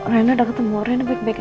reina udah ketemu reina baik baik aja kan